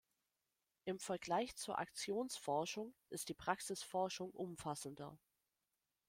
Im Vergleich zur Aktionsforschung ist die Praxisforschung umfassender.